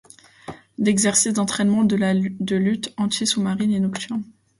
L'exercice d'entraînement de lutte anti-sous-marine est nocturne.